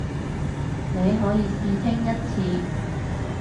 你可以試聽一次